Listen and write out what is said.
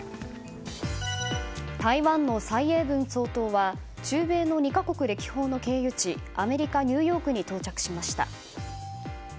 台湾の蔡英文総統は中米の２か国歴訪の経由地アメリカ・ニューヨークに到着しました。